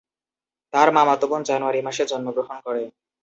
তার মামাতো বোন জানুয়ারি মাসে জন্মগ্রহণ করে।